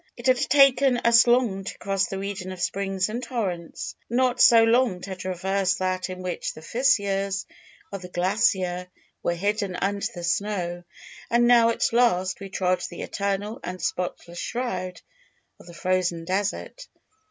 "It had taken us long to cross the region of springs and torrents; not so long to traverse that in which the fissures of the glacier were hidden under the snow; and now at last we trod the eternal and spotless shroud of the frozen desert.